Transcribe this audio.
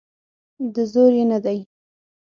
د زور یې نه دی.